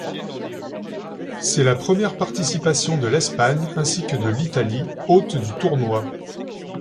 C'est la première participation de l'Espagne ainsi que de l'Italie, hôte du tournoi.